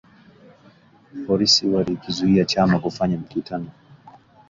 Polisi walikizuia chama kufanya mikutano